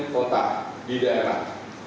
kota di daerah